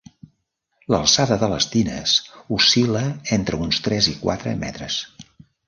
L'alçada de les tines oscil·la entre uns tres i quatre metres.